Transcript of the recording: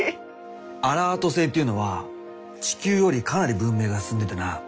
アラート星っていうのは地球よりかなり文明が進んでてな。